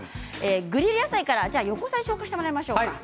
グリル野菜からご紹介してもらいましょう。